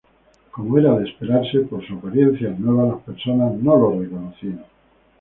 Como era de esperarse por su apariencia nueva, las personas no lo reconocían.